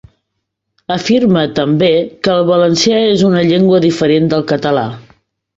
Afirma, també, que el valencià és una llengua diferent del català.